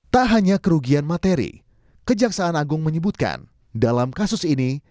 tak hanya kerugian materi kejaksaan agung menyebutkan dalam kasus ini